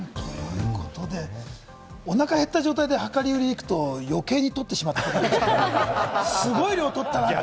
お腹減った状態ではかり売りに行くと余計に取ってしまって、すごい量とったなと。